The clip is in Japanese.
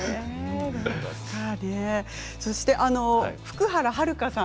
そして福原遥さん